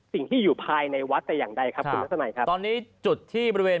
สิ่งที่อยู่พลายในวัดใจอย่างใดครับมันไหวภาพตอนนี้จุดที่บริเวณ